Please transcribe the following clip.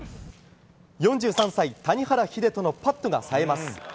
４３歳、谷原秀人のパットが冴えます。